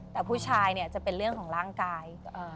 แต่ผู้ชายเนี่ยจะเป็นเรื่องของร่างกาย